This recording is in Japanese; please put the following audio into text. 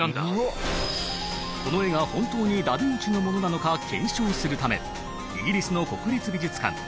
この絵が本当にダ・ヴィンチのものなのか検証するためイギリスの国立美術館